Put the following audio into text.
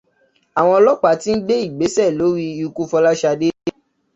Àwọn ọlọ́pàá tí ń gbé ìgbésẹ̀ lórí ikú Fọláṣadé.